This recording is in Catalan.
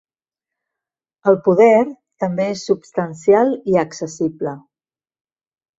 El poder també és substancial i accessible.